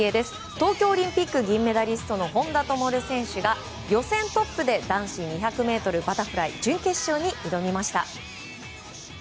東京オリンピック銀メダリストの本多灯選手が予選トップで男子２００ｍバタフライ準決勝に挑みました。